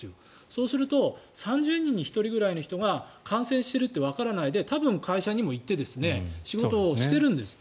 そうすると３０人に１人ぐらいの人が感染しているとわからないで多分、会社にも行って仕事をしているんです。